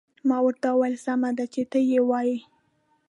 ما ورته وویل: سمه ده، چې ته يې وایې.